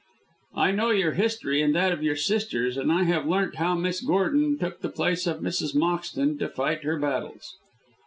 "I know your history and that of your sisters, and I have learnt how Miss Gordon took the place of Mrs. Moxton to fight her battles."